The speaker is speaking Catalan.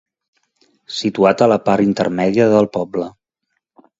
Situat a la part intermèdia del poble.